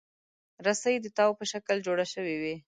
رسۍ د تاو په شکل جوړه شوې وي.